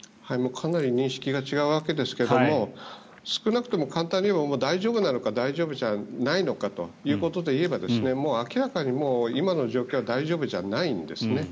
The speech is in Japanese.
かなり認識が違うわけですが少なくとも簡単に言えば大丈夫なのか大丈夫じゃないのかということで言えばもう明らかに今の状況は大丈夫じゃないんですね。